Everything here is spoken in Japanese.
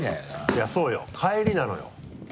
いやそうよ帰りなのよ。